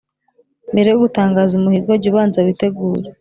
Mbere yo gutangaza umuhigo, jya ubanza witegure,